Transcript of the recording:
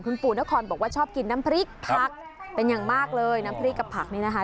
คุณปู่นครบอกว่าชอบกินน้ำพริกผักเป็นอย่างมากเลยน้ำพริกกับผักนี่นะคะ